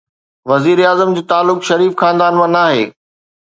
وزيراعظم جو تعلق شريف خاندان مان ناهي.